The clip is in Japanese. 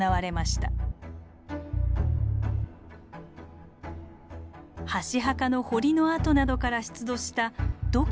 箸墓の堀の跡などから出土した土器の破片を調査。